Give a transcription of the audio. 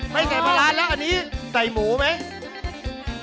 ไม่ใส่ปลาร้าแล้วอันนี้ใส่หมูไหม